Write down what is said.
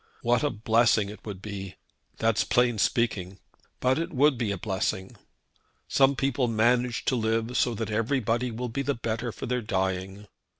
What a blessing it would be! That's plain speaking; but it would be a blessing! Some people manage to live so that everybody will be the better for their dying.